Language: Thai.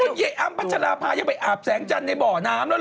จริงเพราะว่าเย๊อัมปัชฌาภายังไปอาบแสงจันทร์ในบ่อน้ำแล้วเหรอ